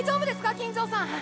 金城さん。